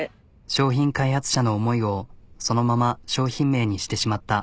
商品開発者の思いをそのまま商品名にしてしまった。